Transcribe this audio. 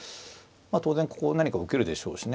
当然ここ何か受けるでしょうしね。